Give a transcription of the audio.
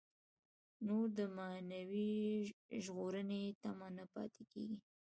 نور د معنوي ژغورنې تمه نه پاتې کېږي.